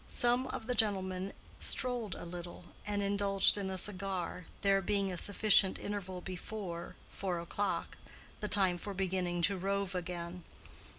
Some of the gentlemen strolled a little and indulged in a cigar, there being a sufficient interval before four o'clock—the time for beginning to rove again.